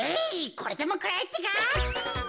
これでもくらえってか。